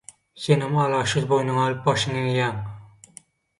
Senem alaçsyz boýnuňa alyp başyňy egýäň.